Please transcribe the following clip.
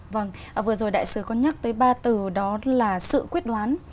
vâng vừa rồi đại sứ có nhắc tới ba từ đó là sự quyết đoán